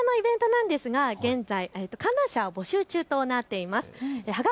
こちらのイベントなんですが、現在、観覧者を募集中となっています。